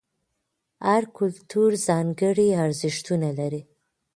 هر کلتور ځانګړي ارزښتونه لري.